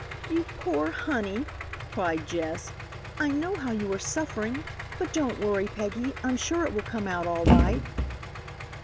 "You poor honey," cried Jess, "I know how you are suffering. But don't worry, Peggy, I'm sure it will come out all right."